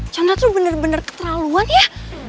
candrat lo bener bener keterlaluan ya